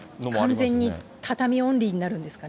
完全に畳みオンリーになるんですかね。